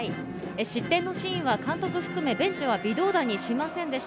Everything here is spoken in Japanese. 失点のシーンは監督を含め、ベンチは微動だにしませんでした。